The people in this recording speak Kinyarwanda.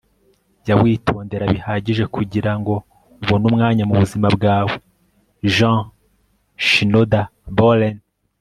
jya witondera bihagije kugirango ubone umwanya mubuzima bwawe - jean shinoda bolen